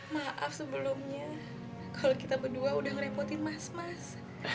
maaf sebelumnya kalau kita berdua udah ngerepotin mas mas